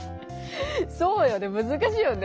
そうよねむずかしいよね。